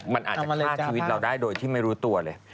มันอาจจะฆ่าชีวิตเราได้โดยที่ไม่รู้ตัวเลย